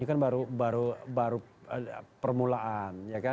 ini kan baru baru baru permulaan ya kan